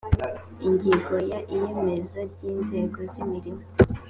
ingingo ya iyemeza ry inzego z imirimo